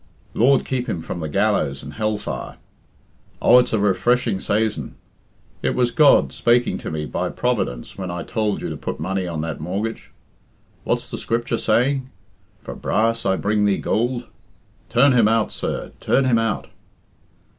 Lord keep him from the gallows and hell fire! Oh, it's a refreshing saison. It was God spaking to me by Providence when I tould you to put money on that mortgage. What's the Scripture saying, 'For brass I bring thee goold'? Turn him out, sir, turn him out."